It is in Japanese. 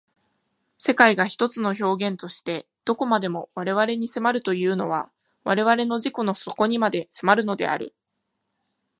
世界が一つの表現として何処までも我々に迫るというのは我々の自己の底にまで迫るのである。